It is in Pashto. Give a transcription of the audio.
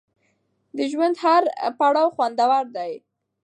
د ژوند هر پړاو خوندور دی.